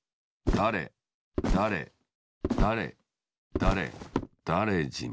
だれだれだれだれだれじん。